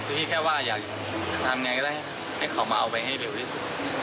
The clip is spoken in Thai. คือพี่แค่ว่าอยากทำยังไงก็ได้ให้เขามาเอาไปให้เร็วที่สุด